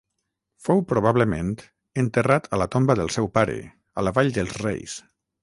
Fou probablement enterrat a la tomba del seu pare a la Vall dels Reis.